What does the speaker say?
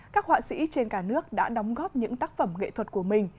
các họa sĩ trên cả nước đã đóng góp những tác phẩm nghệ thuật của mình